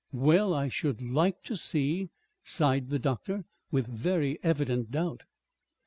"Well, I should like to see," sighed the doctor, with very evident doubt.